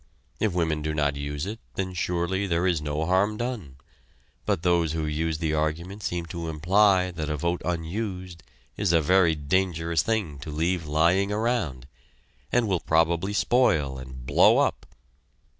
If women do not use it, then surely there is no harm done; but those who use the argument seem to imply that a vote unused is a very dangerous thing to leave lying around, and will probably spoil and blow up.